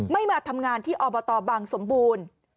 มาทำงานที่อบตบังสมบูรณ์